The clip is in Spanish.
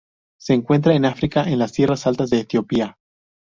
Se encuentra en África en las tierras altas de Etiopía.